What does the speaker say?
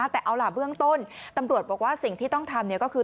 แต่เอาล่ะเบื้องต้นตำรวจบอกว่าสิ่งที่ต้องทำก็คือ